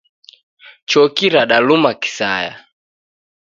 Choki radaluma kisaya.